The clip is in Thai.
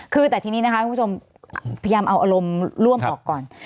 คือแต่ทีนี้นะคะคุณผู้ชมพยายามเอาอารมณ์ร่วมออกก่อน